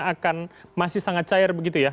akan masih sangat cair begitu ya